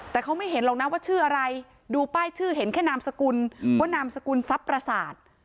แต่เขาไม่เห็นหรอกนะว่าชื่ออะไรดูป้ายชื่อเห็นแค่นามสกุลว่านามสกุลทรัพย์ประสาท